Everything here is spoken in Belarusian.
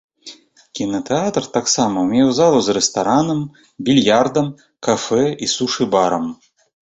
Кінатэатр таксама меў зала з рэстаранам, більярдам, кафэ і сушы-барам.